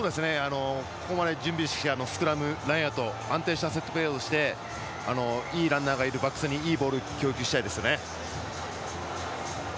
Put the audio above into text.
ここまで準備してきたスクラムなど安定したセットプレーをしていいランナーをするバックスにいいボールを供給したいですね。